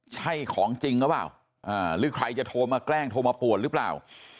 ใช่ของจริงหรือเปล่าหรือใครจะโทรมาแกล้งโทรมาป่วนหรือเปล่า